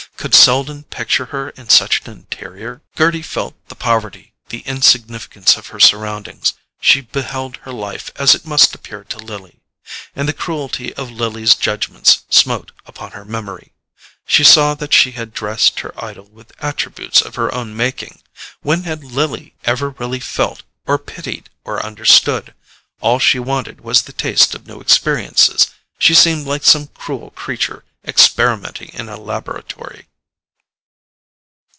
Could Selden picture her in such an interior? Gerty felt the poverty, the insignificance of her surroundings: she beheld her life as it must appear to Lily. And the cruelty of Lily's judgments smote upon her memory. She saw that she had dressed her idol with attributes of her own making. When had Lily ever really felt, or pitied, or understood? All she wanted was the taste of new experiences: she seemed like some cruel creature experimenting in a laboratory.